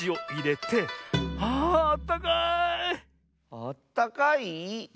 あったかい？